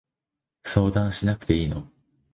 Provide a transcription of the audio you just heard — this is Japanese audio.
相談しなくていいの？